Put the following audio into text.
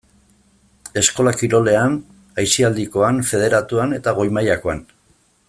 Eskola kirolean, aisialdikoan, federatuan eta goi-mailakoan.